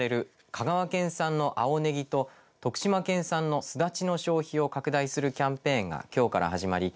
香川県産の青ねぎと徳島県産のすだちの消費を拡大するキャンペーンがきょうから始まり